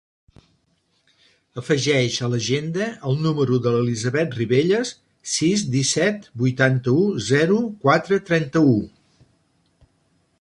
Afegeix a l'agenda el número de l'Elisabeth Ribelles: sis, disset, vuitanta-u, zero, quatre, trenta-u.